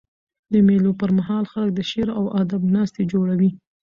د مېلو پر مهال خلک د شعر او ادب ناستي جوړوي.